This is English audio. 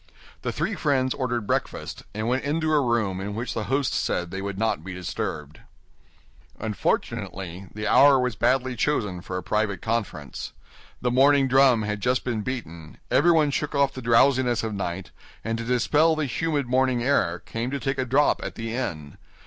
The three friends ordered breakfast, and went into a room in which the host said they would not be disturbed. Unfortunately, the hour was badly chosen for a private conference. The morning drum had just been beaten; everyone shook off the drowsiness of night, and to dispel the humid morning air, came to take a drop at the inn.